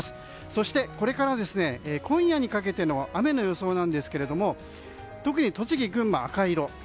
そして、これから今夜にかけての雨の予想ですが特に、栃木や群馬は赤色。